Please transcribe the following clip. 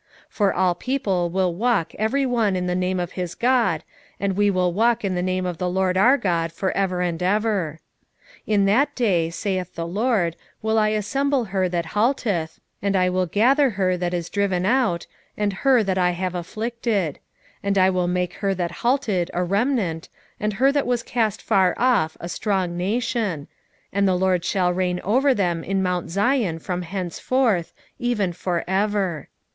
4:5 For all people will walk every one in the name of his god, and we will walk in the name of the LORD our God for ever and ever. 4:6 In that day, saith the LORD, will I assemble her that halteth, and I will gather her that is driven out, and her that I have afflicted; 4:7 And I will make her that halted a remnant, and her that was cast far off a strong nation: and the LORD shall reign over them in mount Zion from henceforth, even for ever.